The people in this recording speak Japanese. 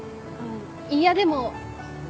いやでも。